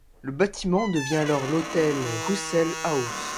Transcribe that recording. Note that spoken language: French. Le bâtiment devient alors l'hôtel Russel House.